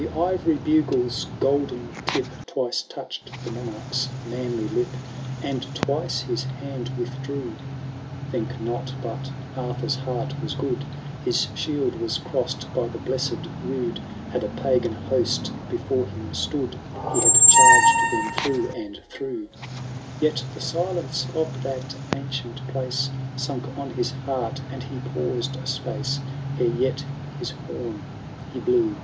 XV. " The ivory buglers golden tip Twice touched the Monarches manly Up, And twice his hand withdrew. — Think not but Arthur^s heart was good ! His shield was crossed by the blessed rood. Had a pagan host before him stood, He had charged them through and through ; Yet the silence of that ancient place Sunk on his heart, and he paused a spoee Ere yet his horn he blew.